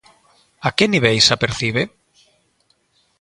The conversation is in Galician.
A que niveis a percibe?